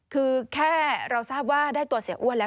คือแค่เราทราบว่าได้ตัวเสียอ้วนแล้ว